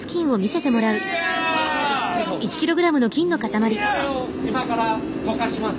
これを今から溶かします。